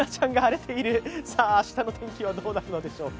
さあ、明日の天気はどうなるのでしょうか？